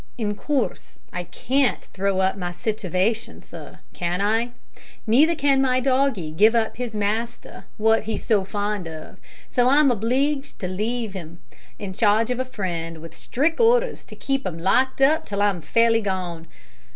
In coorse, I can't throw up my sitivation, sir, can I? Neither can my doggie give up his master wot he's so fond of, so I'm obleeged to leave 'im in charge of a friend, with stric' orders to keep 'im locked up till I'm fairly gone.